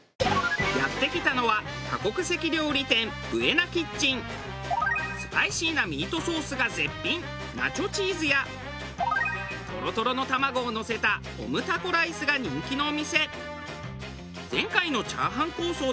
やって来たのは多国籍料理店スパイシーなミートソースが絶品ナチョチーズやトロトロの卵をのせたオムタコライスが人気のお店。